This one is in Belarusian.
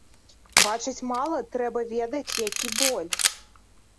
Бачыць мала, трэба ведаць, які боль.